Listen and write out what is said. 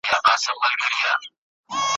چي ما مه وژنۍ ما څوک نه دي وژلي ,